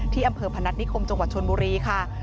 ที่อำเภอพนัตนิคมจบชนบุรีค่ะ